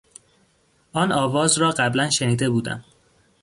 آن آواز را قبلا شنیده بودم.